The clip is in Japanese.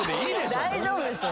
大丈夫ですよ。